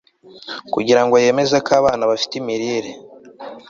kugira ngo bemeze ko abana bafite imirire